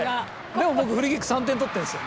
でも僕フリーキック３点取ってるんです。